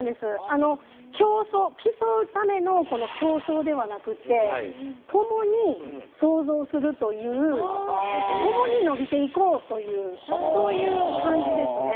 あの競うための競争ではなくって共に創造するという共に伸びていこうというそういう感じですね。